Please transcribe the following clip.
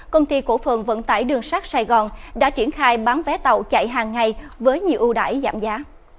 công ty cổ phường vận tải đường sát sài gòn đã triển khai bán vé tàu chạy hàng ngày với nhiều ưu đại giảm giá